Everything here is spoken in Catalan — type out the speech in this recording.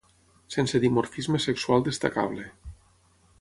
Sense dimorfisme sexual destacable.